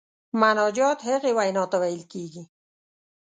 مناجات هغې وینا ته ویل کیږي.